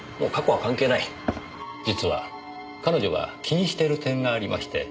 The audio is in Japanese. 実は彼女が気にしてる点がありまして。